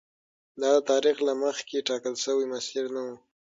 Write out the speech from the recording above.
دا د تاریخ له مخکې ټاکل شوی مسیر نه و.